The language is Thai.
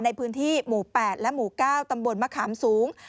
ในพื้นที่หมู่๘และหมู่๙ตำบลมะขามสูง